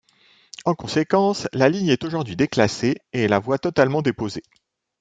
En conséquence, la ligne est aujourd'hui déclassée et la voie totalement déposée.